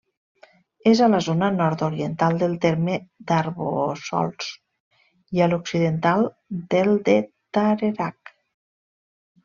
És a la zona nord-oriental del terme d'Arboçols, i a l'occidental del de Tarerac.